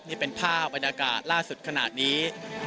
นี่เป็นภาพบรรยากาศล่าสุดขนาดนี้